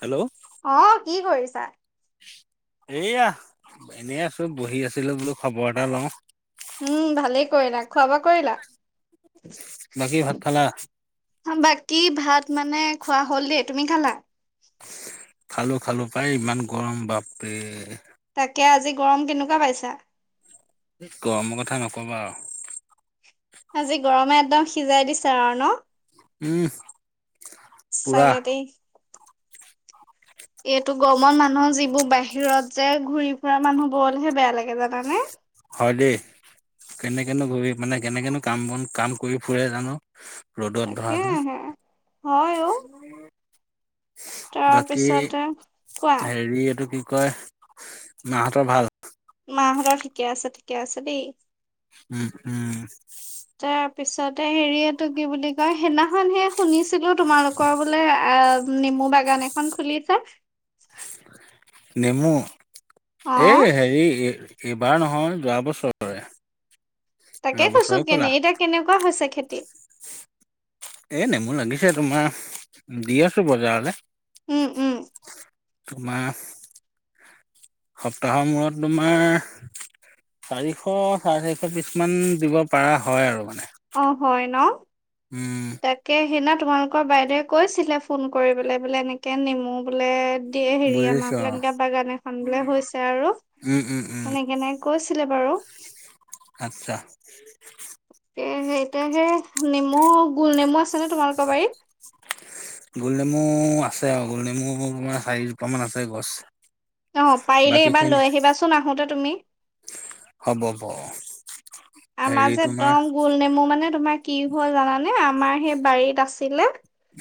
Hello অ কি কৰিছা? এয়া এনেই আছো বহি আছিলো বোলো খবৰ এটা লওঁ উম ভালেই কৰিলা খোৱা-বোৱা কৰিলা? বাকী ভাত খালা বাকী ভাত মানে খালো-খালো পাই ইমান গৰম বাপৰে তাকে আজি গৰম কেনেকুৱা পাইছা? গৰমৰ কথা নকবা আৰু আজি গৰমে একদম সিজাই দিছে আৰু ন? উম পুৰা সঁচাকে দেই। এইটো গৰমত মানুহৰ যিবোৰ বাহিৰত যে ঘূৰি ফুৰা মানুহবোৰলেহে বেয়া লাগে। জানানে? হয় দেই কেনেকে নো ঘূৰি মানে কেনেকেনো কাম-বন কাম কৰি ফুৰে জানো? ৰ'দত তাকে ধৰাচোন হে, হয় অ'। বাকী তাৰপিছতে কোৱা, হেৰি এইটো কি কয় মাহঁতৰ ভাল? মাহঁতৰ ঠিকে আছে ঠিকে আছে দেই। উম-উম পিছতে হেৰি এটো কি বুলি কয় সেইদিনাখনহে শুনিছিলো তোমালোকৰ বোলে আহ নেমু বাগান এখন খুলিছা? নেমু অ এই হেৰি এইবাৰ নহয় যোৱা বছৰৰে। যোৱা তাকে কৈছো বছৰে ক'লা কেনে এতিয়া কেনেকুৱা হৈছে খেতি? এ' নেমু লাগিছে তোমাৰ দি আছো বজাৰলে। উম-উম তোমাৰ সপ্তাহৰ মূৰত তোমাৰ চাৰিশ চাৰে চাৰিশ পিছ মান দিব পাৰা হয় আৰু মানে অহ, হয় ন' উম তাকে সেইদনা তোমালোকৰ বাইদেৱে কৈছিলে ফোন কৰিবলে বোলে এনেকে নেমু বোলে দিয়ে হেৰি আমাৰ বুজিছো বোলে অ এনেকা বাগান এখন বোলে হৈছে আৰু উম উম উম সেনেকেনে কৈছে ছিলে বাৰু। আচ্ছা। তে সেই এতিয়া সেই নেমু গোল নেমু আছে নে, তোমালোকৰ বাৰীত? গোল নেমু আছে আৰু গোল নেমু তোমাৰ চাৰিজোপা মান আছে গছ। অহ, পাৰিলে বাকী এবাৰ খিনি লৈ আহিবাচোন আহোতে তুমি। হ'ব - হ'ব। হেৰি আমাৰ যে তোমাৰ একদম গোল নেমু মানে তোমাৰ কি হ'ল জানানে আমাৰ সেই বাৰীত আছিলে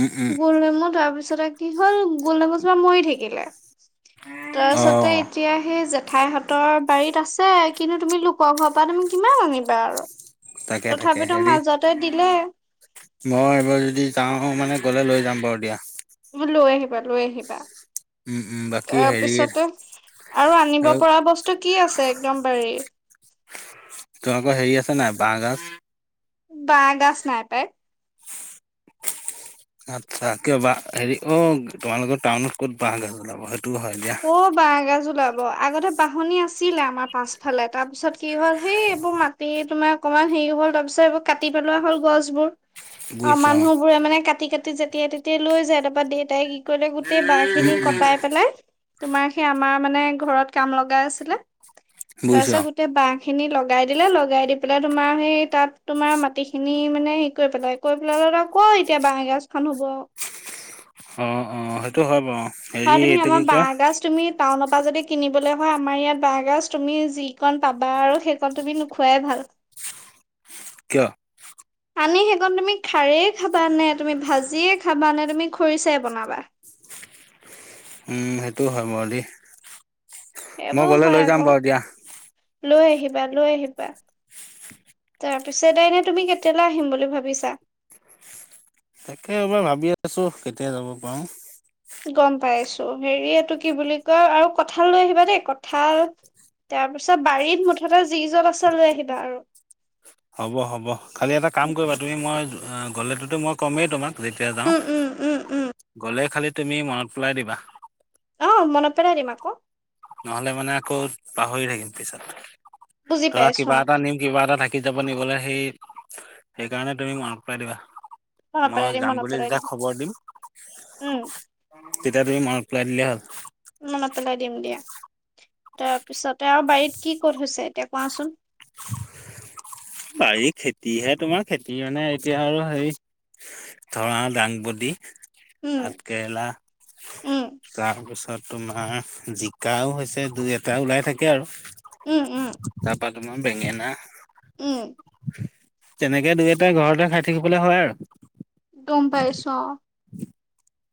উম উম গোল নেমু তাৰপিছতে কি হ'ল গোল নেমুজোপা মৰি থাকিলে অ তাৰপাছতে এতিয়াহে জেট ঠাইহঁতৰ বাৰীত আছে কিন্তু তুমি লোকৰ ঘৰৰ পৰা তুমি কিমান আনিবা আৰু। তাকে- তাকে তথাপিতো হেৰি মাজতে দিলে মই এইবাৰ যদি যাওঁ মানে গলে লৈ যাম বাৰু দিয়া। লৈ আহিবা -লৈ আহিবা। উম- উম বাকী হেৰি তাৰপিছতে আৰু আনিব পৰা বস্তু কি আছে একদম বাৰীৰ? তোমালোকৰ হেৰি আছে নাই বাঁহ গাজ? বাঁহ গাজ নাই পাই। আচ্ছা কিয় বাহ হেৰি অ' তোমালোকৰ টাউনত ক'ত বাহ গাজ ওলাব সেই অহ, বাইগাজ উলাব আগতে বাহনি আছিলে আমাৰ পাছফালে তাৰ পিছত কি হ'ল সেই এইবোৰ মাটি তোমাৰ অকমান হেৰি হ'ল তাৰ পিছত এইবোৰ কাটি পেলোৱা হ'ল গছবোৰ। অহ, বুজিছো অ মানুহ বোৰে মানে কাটি - কাটি, যেতিয়াই- তেতিয়াই লৈ যায় তাৰপা দেউতাই গলে গোটেই বাহ খিনি উম উম কটাই পেলাই তোমাৰ সেই আমাৰ মানে ঘৰত কাম লগা আছিলে বুজিছো তাৰপিছত অ গোটেই বাহ খিনি লগাই দিলে লগাই দি পেলাই তোমাৰ সেই তাত তোমাৰ মাটি খিনি মানে হেৰি কৰি পেলাই - কৰি পেলাই [unintelligible] এতিয়া বাঁহগাজ খান হব। অহ - অহ সেইটো হয় বাৰু। হেৰি আৰু তুমি এইটো আমাৰ কি কয় বাঁহ গছ তুমি টাউনৰ পৰা যদি কিনিবলৈ হয় আমাৰ ইয়াত বাঁহগাজ তুমি যিকণ পাবা আৰু সেইকণ তুমি নোখোৱাই ভাল। কিয়? আনি সেইকণ তুমি খাৰেই খাবা নে তুমি ভাজিয়ে খাবা নে, তুমি খৰিচাই বনাবা? [inaudible] উম সেইটোও হয় বাৰু দেই মই এইবোৰ গলে হয় লৈ আকৌ যাম বাৰু এ দিয়া। লৈ আহিবা লৈ আহিবা তাৰ পিছাইনে তুমি কেতিয়ালৈ আহিম বুলি ভাবিছা তাকে এইবাৰ ভাবি আছো কেতিয়া যাব পাৰো। গম পাইছো হেৰি এইটো কি বুলি কয় আৰু কঁঠাল, লৈ আহিবা দেই কঠাল তাৰপিছত বাৰীত মুঠতে যি জল আছে লৈ আহিবা। আৰু হ'ব হ'ব খালি এটা কাম কৰিবা তুমি মই গ'লেতোতো মই ক'মেই তোমাক যেতিয়া যাওঁ উম উম উম উম গ'লে খালি তুমি মনত পেলাই দিবা। অ মন পেলাই দিম আক নহলে মানে আকৌ পাহৰি থাকিম পিছত বুজি ধৰা পাইছো কিবা এটা নিম কিবা এটা থাকিম। লৈ যাব নিবলৈ সেই সেইকাৰণে তুমি মনত পেলাই দিবা। অ মনত পেলাই মই দিম যাম মনত বুলি পেলাই যেতিয়া খবৰ দিম উম তেতিয়া তুমি আৰু পেলাই দিলে হ'ল মনত পেলাই দিম দিয়া। তাৰপিছতে আৰু বাৰীত কি ক'ত হৈছে এতিয়া কোৱাচোন। বাৰিত খেতিহে তোমাৰ খেতি মানে এতিয়া আৰু হেৰি ধৰা দাংবদী। উম ভাত কেৰেলা, উম তাৰপিছত তোমাৰ জিকাও, হৈছে দুই এটা ওলাই থাকে আৰু, উম উম তাৰপাত আ বেঙেনা,। উম! তেনেকে দুই এটা ঘৰতে খাই থাকিবলৈ হয় আৰু। গম পাইছোঁ অ।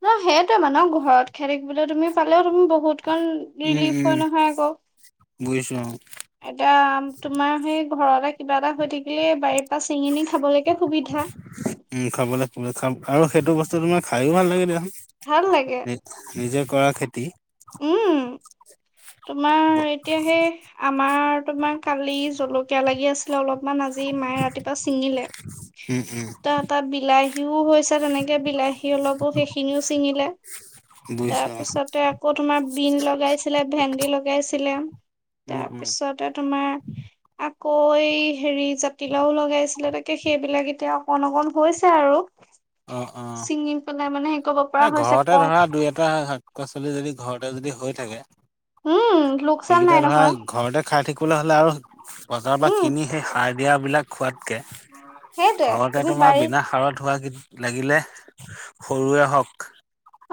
অহ সেইটোৱে মানহ ঘৰত খেতি বুলি তুমি পালেও তুমি বহুত কাৰণ উম ৰিলিফ উম হয় নহয় আকৌ বুজিছো অ এতিয়া তোমাৰ সেই ঘৰতে কিবা এটা হৈ থাকিলে বাৰীৰ পৰা চিঙনি খাব লাগে। উম খাবলৈ খাব আৰু সেইটো বস্তু তোমাৰ খায়ো ভাল লাগে দিয়া। ভাল লাগে নি নিজে কৰা খেতি। উম! উম এতিয়া সেই আমাৰ তোমাৰ কালি জলকীয়া, লাগি আছিলে অলপ। অকমান আজি মায়ে ৰাতিপুৱা ছিঙিলে উম উম ত তাত বিলাহীও হৈ। তাৰ পিছত এনেকে বিলাহী, অলপো সেইখিনিও ছিঙিলে। বুজিছো অ তাৰপিছতে আকৌ তোমাৰ বিন লগাইছিলে, ভেন্দি লগাইছিলে উম উম তাৰপিছতে তোমাৰ আকৌ হেৰি জাতিলাও, লগাইছিলে তাকে সেইবিলাক এতিয়া অকন অকন হৈছে। আৰু অ অ ছিঙি পেলাই মানে হেৰি কৰিব পৰা ন হৈছে ঘৰতে ক ধৰা দুই এটা শাক -পাচলি, যদি ঘৰতে যদি হৈ থাকে। উম লোকচান সেইকেইটা নাই ধৰা নহয় ঘৰতে খাই থাক কিবলৈ হ'লে আৰু বজাৰৰ পৰা উম কিনি সেই সাৰ দিয়াবিলাক খোৱাতকে সেইটোৱে ঘৰতে তুমি তোমাৰ বাৰীত বিনা সাৰত হোৱা কি লাগিলে সৰুৱে হওক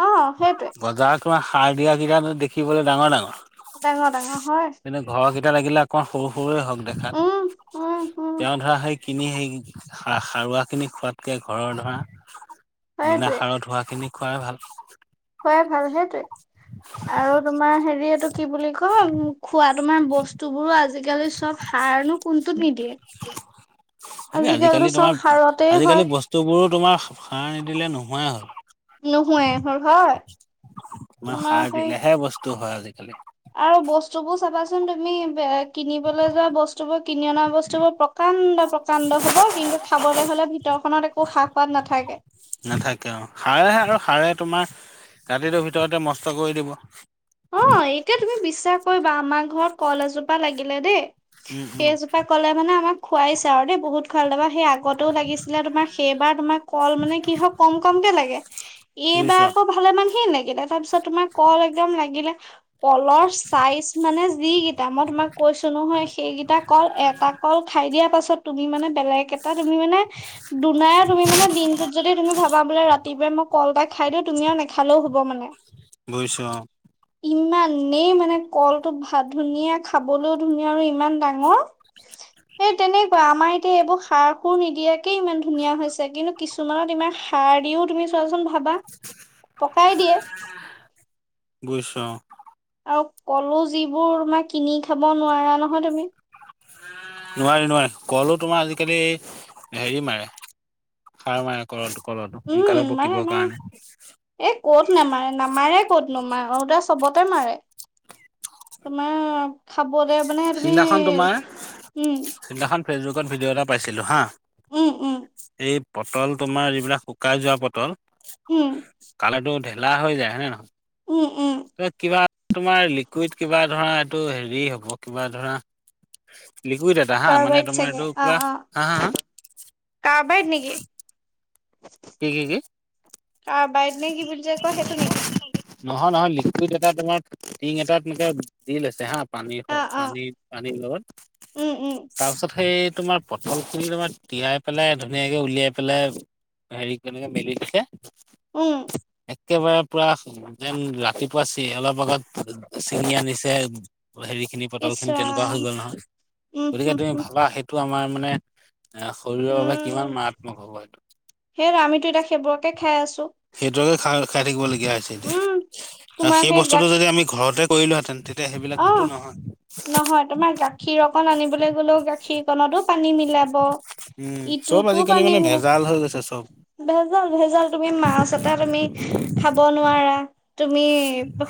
অ সেইটোৱে বজাৰ তোমাৰ সাৰ দিয়াকেইট দেখিবলৈ ডাঙৰ ডাঙৰ ডাঙৰ ডাঙৰ হয়। এতিয়া লাগিলে অকমান সৰু সৰুে হওক উম উম দেখাত উম তেওঁ ধৰা সেই কিনি সেই সাৰুৱা খিনি খোৱাতকে ঘৰৰ ধৰা। বিনা সেইটোৱে সাৰত হোৱাখিনি খোৱাই ভাল। খোৱাই ভাল সেইটোৱে আৰু তোমাৰ হেৰি এইটো কি বুলি কয় উম খোৱা তোমাৰ বস্তু বোৰো আজিকালি চব সাৰনো কোনটোত নিদিয়ে। আজিকালি আজিকালিতো চব তোমাৰ সাৰতেই আজিকালি হয় বস্তুবোৰো তোমাৰ সাৰ নিদিলে নোহোৱাই হ'ল- নোহোৱাই হ'ল হয় তোমাৰ খাৰ দিলেহে বস্তু হয় আজি আৰু বস্তুবোৰ চাবাচোন তুমি কিনিবলৈ যোৱা বস্তু বোৰ কিনি অনা বস্তুবোৰ প্ৰকাণ্ড প্ৰকাণ্ড হব, কিন্তু খাবলৈ হলে ভিতৰখনত একো সা সোৱাদ নাথাকে। সাৰে আৰু সাৰে ৰাতিটো ভিতৰতে মষ্ট কৰি দিব। অ এইটোৱে তুমি বিশ্বাস কৰিবা আমাৰ ঘৰত কল এজোপা লাগিলে দেই উম উম সেইজোপা কলে মানে আমাক খোৱাইছে আৰু দেই। বহুত খুৱালে তাপা সেই আগতেও লাগিছিলে তোমাৰ। সেইবাৰ তোমাৰ কল মানে কি হয় কম কমকে লাগে এইবাৰ বুজিছো আকৌ ভালেমান খিনিয়ে লাগিলে। তাৰ পিছত তোমাৰ কল একদম লাগিলে। কলৰ চাইজ মানে যি কিটা। মই তোমাক কৈছোঁ নহয় সেইকেইটা কল এটা কল খাই খাই দিয়া পাছত তুমি মানে বেলেগ এটা তুমি মানে দুনাই তুমি মানে দিনটোত যদি তুমি ভাবা বোলে ৰাত ৰাতিপাই মই কল এটা খাই দিওঁ, তুমি আও নেখালেও হ'ব মানে। বুইছো অ। ইমানেই মানে কলটো ভ ধুনীয়া। খাবলৈও ধুনীয়া আৰু ইমান ডাঙৰ। সে তেনেকুৱা আমাৰ এতিয়া এইবোৰ সাৰ সুৰ নিদিয়াকে ইমান ধুনীয়া হৈছে। কিন্তু কিছুমানত ইমান সাৰ দিও, তুমি চোৱাচোন ভাবা। পকাই দিয়ে। বুইছো অ। আৰু কলো যিবোৰ তোমাৰ কিনি খাব নোৱাৰা নহয় তুমি। নোৱাৰি, নোৱাৰি। কলো তোমাৰ আজিকালি হেৰি মাৰে। সাৰ মাৰে কলটো, কলটো সোনকালে উম মাৰে পকিবৰ মাৰে কাৰণে। এ ক'ত নামাৰে? নামাৰে ক'ত নমাৰে? আৰু দা চবতে মাৰে। তোমাৰ খাবলৈ মানে তুমি, সিদিনাখন তোমাৰ উম। সিদিনাখন ফেচবুকত ভিডিঅ' এটা পাইছিলো হা। উম উম এই পটল তোমাৰ যিবিলাক শুকাই যোৱা পটল। উম কালাৰটো ঢেলা হৈ যায়, হয়েনে নহয়? উম উম ৰ কিবাত তোমাৰ লিকুইড কিবা ধৰা এইটো হেৰি হ'ব কিবা ধৰা লিকুইড এটা হা। মানে কাৰ্বাইড তোমাৰ চাগে এইটো অ কিবা, অ হা, হা, কাৰ্বাইড নেকি হা? কি কি কি কাৰ্বাইড নে কি বুলি যে কয় সেইটো নেকি নহয়, নহয়। লিকুইড এটা তোমাৰ টিং এটাত মানে দি লৈছে হা। পানী অ হক অ পানী-পানীৰ লগত। উম উম তাৰপিছত সেই তোমাৰ পটলখিনি তোমাৰ তিয়াই পেলাই ধুনীয়াকে উলিয়াই পেলাই হেৰি কেনেকে মেলি দিছে। উম। একেবাৰে পুৰা যেন ৰাতিপুৱা চি অলপ আগত ছিঙি আনিছে। হেৰিখিনি ইছ পটলখিনি তেনেকুৱা ৰাম হৈ গ'ল নহয়। উম হম গতিকে তুমি হম ভাবা সেইটো আমাৰ মানে এ শৰীৰৰ বাবে কিমান উম মাৰাত্মক হব এইটো। সেই আমিতো এতিয়া সেইবোৰকে খাই আছো [unintelligible] খ খাই থাকিবলগীয়া হৈছে এতিয়া। উম আৰু তোমাৰ সেই বস্তুটো গাখীৰ যদি আমি ঘৰতে কৰিলোহেঁতেন তেত অ নহয়। তোমাৰ গাখীৰ অকণ আনিবলৈ গলেও গাখীৰকনতো পানী মিলাব। উম চব ইটোটো আজিকালি পানী মানে মিলাব। ভেজাল হৈ গৈছে চব ভেজাল, ভেজাল। তুমি মাছ এটা তুমি খাব নোৱাৰা। তুমি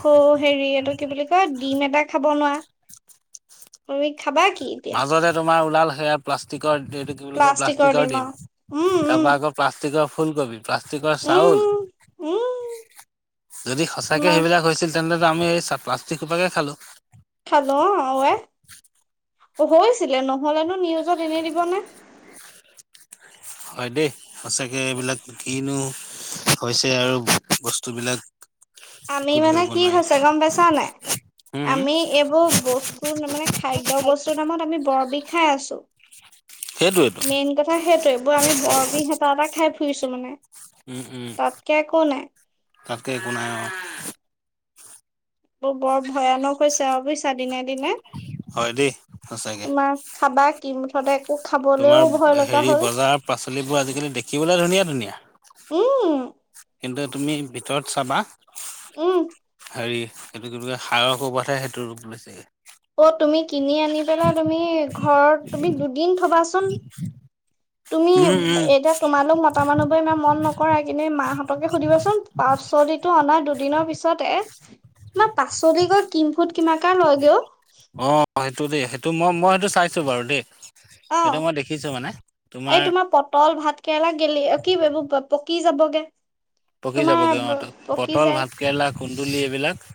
সৌ হেৰি এইটো কি বুলি কয় ডিম এটা খাব নোৱা। তুমি খাবা কি এতিয়া? লাল সেয়া প্লাষ্টিকৰ এইটো কি বুলি কয় প্লাষ্টিকৰ ডিম উম তাৰ উম পৰা আকৌ প্লাষ্টিকৰ ফুলকবি। প্লাষ্টিকৰ চাউল। উম উম যদি সঁচাকে তোমাৰ সেইবিলাক হৈছিল তেন্তে আমি এ প্লাষ্টিকসোপাকে খালো। খালো হৈছিলে। নহলেনো নিউজত এনে দিবনে? হয় দেই। সঁচাকে এইবিলাক কিনো হৈছে আৰু বস্তু বিলাক। আমি মানে কি হৈছে, গম পাইছা নাই? উম, হুম আমি এইবোৰ বস্তুৰ মানে খাদ্যয় বস্তুৰ নামত আমি বৰ বিষ খাই আছোঁ সেইটোৱেতো মেইন কথা সেইটো এইবোৰ আমি বৰ বিহ হেতা এটা খাই ফুৰিছো মানে তাকে একো নাই তাকে কোন এইৰ বৰ ভয়ানক হৈছে ভাবিছা দিনে দিনে হয় দেই সঁচাকে। তোমাৰ খাবা কি মুঠতে একো খাবলেও তোমাৰ ভয় লগা হেৰি হ'ল বজাৰ পাচলিবোৰ আজিকালি দেখিবলৈ ধুনীয়া ধুনীয়া উম কিন্তু তুমি ভিতৰত চাবা উম হেৰি সেইটো কো সাৰৰ ক'বাতহে সেইটো ৰূপ লৈছাগে অ তুমি কিনি আনি পেলা তুমি ঘৰত তুমি দুদিন থবাচোন। তুমি উম, উম এতিয়া তোমালোক মতা মানুহব ইমান মন নকৰে। কৰাই কিনে মাহঁতকে সুধিবাচোন পাচলিটো অনা দুদিনৰ পিছতে মই পাচলি কৈ কিমফুট কিমা কে লয়গে অ অ সেইটো দেই সেইটো মই মই সেইটো চাইছো বাৰু দেই অ সেইটো মই দেখিছো মানে এই তোমাৰ পটল ভাত কেৰেলা গেলি কি পকি যাব গে পকি যাবগৈ অ ত পটল ভাত কেৰেলা কুন্দুলি এইবিলাক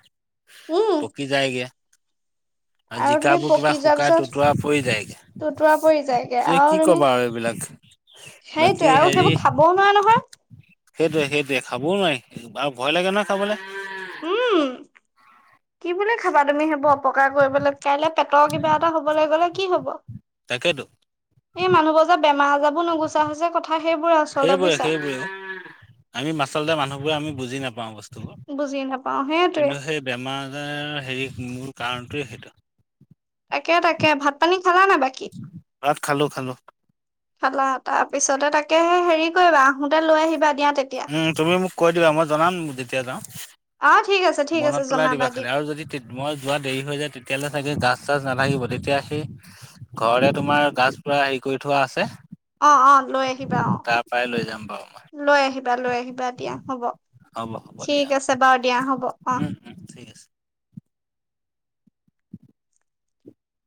উম পকি যায়গে আৰু জিকাবোৰ কিবা শুকাই টোতোৱা পৰি যায়গে টোতোৱা পৰি যায়গে যে আৰু কি তুমি কবা আৰু এইবিলাক বাকী সেইটোয়ে আৰু হেৰি সেইবোৰ খাবও নোৱাৰে নহয়। সেইটোৱে সেইটোৱে খাবও নোৱাৰি আৰু ভয় লাগে নহয় খাবলে উম কি বুলি খাবা তুমি সেইবোৰ অপকাৰ কৰিবলৈ কাইলে পেটৰ কিবা এটা হবলৈ গলে কি হব- তাকেতো এই মানুহবোৰ যে বেমাৰ আজাৰ বোৰ নুগুচা হৈছে কথা। সেইবোৰে আচলতে সেইবোৰে বুজিছা সেইবোৰে আমি আচলতে মানুহবোৰে আমি বুজি নাপাও বুজি নাপাও বস্তু সেইটোৱে সেই বেমাৰ আজাৰ হেৰী মূল কাৰণ- সেইটো সেটো। তাকে তাকে ভাত পানী খালা নে বাকী ভাত খালো খালো। খালা তাৰ পিছতে তাকে হেৰি কৰিবা আহোতে লৈ আহিবা দিয়া। তেতিয়া উম তুমি মোক কৈ দিবা মই জনাম যেতিয়া যাওঁ। অ ঠিক আছে ঠিক আছে মনত পেলাই দিবা জনাবা খালি দিয়া আৰু যদি মই যোৱা দেৰি হৈ যায় তেতিয়ালে চাগে গা চাজ নালাগিব তেতিয়া সি ঘৰতে তোমাৰ গছ পুৰা হেৰি কৰি থোৱা আছে অ অ লৈ আহিবা অ তাৰ পৰাই লৈ যাম বাৰু মই লৈ আহিবা লৈ আহিবা দিয়া হ'ব হ'ব হ'ব ঠিক দিয়া আছে বাৰু দিয়া হ'ব অ উম উম ঠিক আছে।